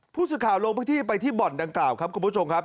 ผู้สื่อข่าวลงพื้นที่ไปที่บ่อนดังกล่าวครับคุณผู้ชมครับ